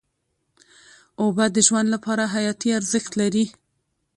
اوبه د ژوند لپاره حیاتي ارزښت لري.